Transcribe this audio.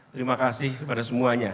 terima kasih kepada semuanya